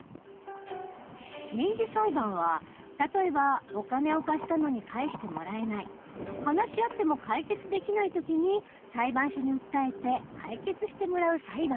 民事裁判は例えばお金を貸したのに返してもらえない話し合っても解決できない時に裁判所に訴えて解決してもらう裁判の事。